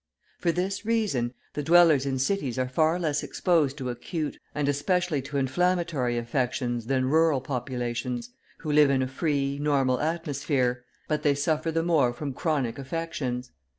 For this reason, the dwellers in cities are far less exposed to acute, and especially to inflammatory, affections than rural populations, who live in a free, normal atmosphere; but they suffer the more from chronic affections.